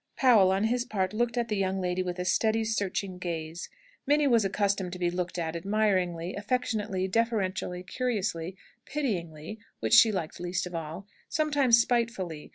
Powell, on his part, looked at the young lady with a steady, searching gaze. Minnie was accustomed to be looked at admiringly, affectionately, deferentially, curiously, pityingly (which she liked least of all) sometimes spitefully.